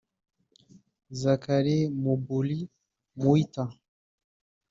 Zachary Muburi Muita